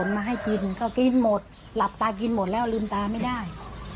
มาให้กินก็กินหมดหลับตากินหมดแล้วลืมตาไม่ได้